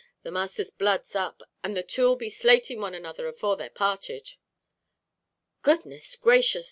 The masther's blood's up, and the two'll be slating one another afore they're parted." "Goodness gracious!"